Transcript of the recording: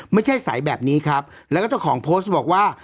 ไม่ใช่สายแบบนี้ครับแล้วก็เจ้าของโพสต์บอกว่า